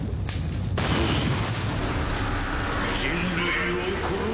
人類を殺せ。